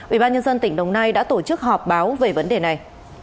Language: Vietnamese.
ubnd tỉnh đồng nai đã tổ chức họp báo về vấn đề này